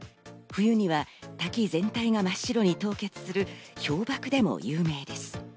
冬には滝全体が真っ白に凍結する氷瀑でも有名です。